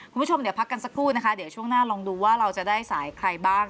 คุณผู้ชมเดี๋ยวพักกันสักครู่นะคะเดี๋ยวช่วงหน้าลองดูว่าเราจะได้สายใครบ้าง